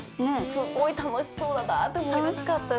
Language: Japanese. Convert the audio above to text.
すごい楽しそうだなと思いました。